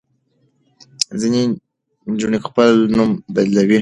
ځینې نجونې خپل نوم بدلوي.